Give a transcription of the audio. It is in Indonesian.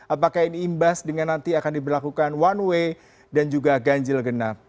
apakah ini imbas dengan nanti akan diberlakukan one way dan juga ganjil genap